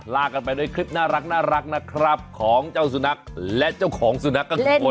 ลากันไปด้วยคลิปน่ารักนะครับของเจ้าสุนัขและเจ้าของสุนัขก็คือคน